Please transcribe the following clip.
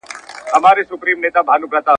زما لحد پر کندهار کې را نصیب لیدل د یار کې !.